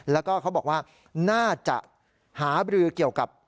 แล้วก็เขาบอกว่าน่าจะหาบรือเกี่ยวกับ